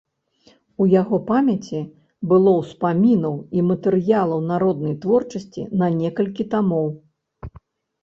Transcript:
У яго памяці было ўспамінаў і матэрыялаў народнай творчасці на некалькі тамоў.